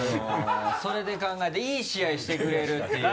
それで考えたいい試合してくれるっていう。